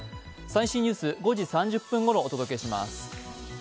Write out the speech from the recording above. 最新ニュース、５時３０分頃お届けします。